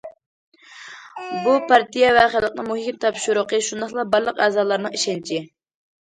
بۇ، پارتىيە ۋە خەلقنىڭ مۇھىم تاپشۇرۇقى، شۇنداقلا بارلىق ئەزالارنىڭ ئىشەنچى.